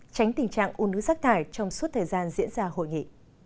tránh tình trạng u nứa rắc thải trong suốt thời gian diễn ra hội nghị